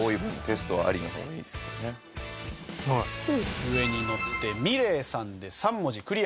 上にのってｍｉｌｅｔさんで３文字クリア。